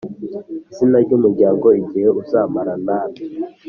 Izina ry umuryango igihe uzamara name